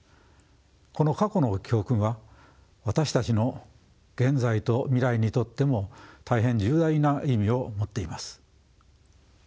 この過去の教訓は私たちの現在と未来にとっても大変重大な意味を持っています。